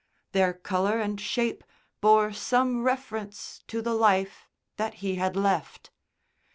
Their colour and shape bore some reference to the life that he had left.